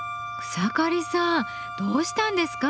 草刈さんどうしたんですか？